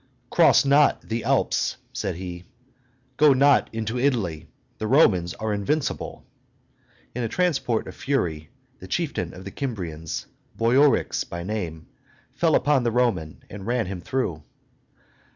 "Cross not the Alps," said he; "go not into Italy: the Romans are invincible." In a transport of fury the chieftain of the Kymrians, Boiorix by name, fell upon the Roman, and ran him through.